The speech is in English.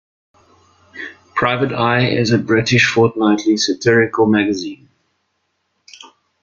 Private Eye is a British fortnightly satirical magazine.